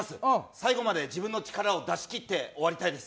最後まで自分の力を出しきって終わりたいです。